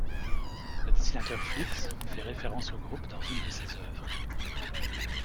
Le dessinateur Flix fait référence au groupe dans une de ses œuvres.